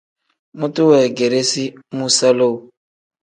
Mutu weegeresi muusa lowu.